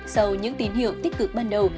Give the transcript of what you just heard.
sau những tín hiệu tích cực ban đầu